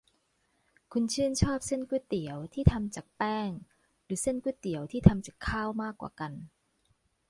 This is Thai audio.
คุณชื่นชอบเส้นก๋วยเตี๋ยวที่ทำจากแป้งหรือเส้นก๋วยเตี๋ยวที่ทำจากข้าวมากกว่ากัน ?